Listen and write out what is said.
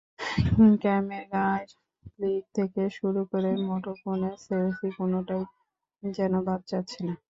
ক্যামেরার ক্লিক থেকে শুরু করে মুঠোফোনে সেলফি—কোনোটাই যেন বাদ যাচ্ছে না।